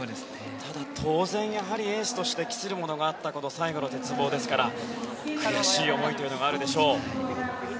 ただ、当然やはりエースとして期するものがあった最後の鉄棒ですから悔しい思いもあるでしょう。